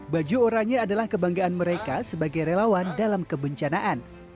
baju oranya adalah kebanggaan mereka sebagai relawan dalam kebencanaan